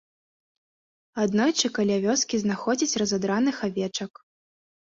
Аднойчы каля вёскі знаходзяць разадраных авечак.